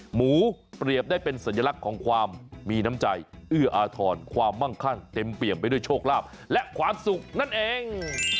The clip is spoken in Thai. หมูเปรียบได้เป็นสัญลักษณ์ของความมีน้ำใจเอื้ออาทรความมั่งคั่งเต็มเปี่ยมไปด้วยโชคลาภและความสุขนั่นเอง